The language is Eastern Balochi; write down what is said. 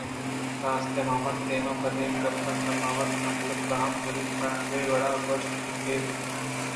راست ! من وت دیم پہ دیمی گپ ءِ سرا باور کناں بلئے پداہم منی سرا ہمے وڑ گوٛستگ دگہ چے بہ گوٛشاں پمشکا من آ ٹیلی فون ءِ گپ ءُترٛان ءَ گیش باوستے نہ دات